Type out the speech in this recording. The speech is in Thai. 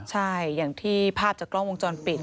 ใช่อย่างที่ภาพจากกล้องวงจรปิด